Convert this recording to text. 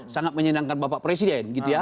sangat menyedangkan bapak presiden